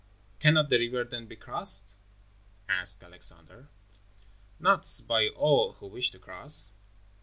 "Cannot the river then be crossed?" asked Alexander. "Not by all who wish to cross."